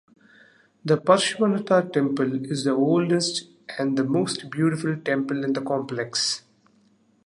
The Parshvanatha temple is the oldest and the most beautiful temple in the complex.